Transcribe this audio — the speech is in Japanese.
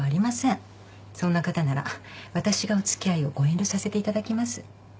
そんな方なら私がお付き合いをご遠慮させていただきます。